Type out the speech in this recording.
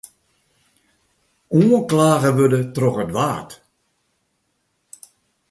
Oanklage wurde troch it Waad.